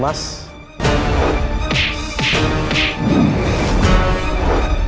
kau tak bisa